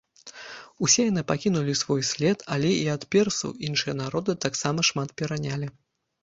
Усе яны пакінулі свой след, але і ад персаў іншыя народы таксама шмат перанялі.